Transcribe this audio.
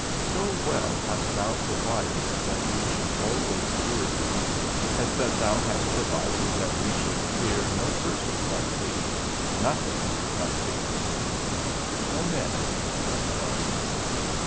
So well hast thou provided that we should always fear thee, as that thou hast provided that we should fear no person but thee, nothing but thee; no men? No.